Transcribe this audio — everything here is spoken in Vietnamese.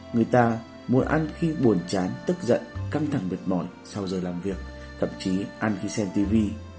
người ta mua ăn khi buồn chán tức giận căng thẳng mệt mỏi sau giờ làm việc thậm chí ăn khi xem tv